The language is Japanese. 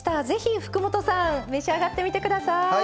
是非福本さん召し上がってみてください。